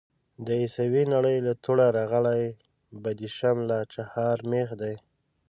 د عيسوي نړۍ له توړه راغلی بدېشم لا چهارمېخ دی.